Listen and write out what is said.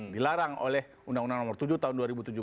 dilarang oleh undang undang nomor tujuh tahun dua ribu tujuh belas